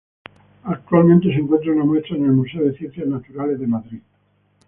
Actualmente se encuentra una muestra en el Museo de Ciencias Naturales de Madrid.